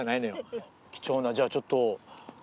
貴重なじゃあちょっと。